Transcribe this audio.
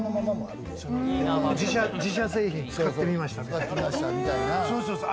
自社製品、使ってみましたみたいな。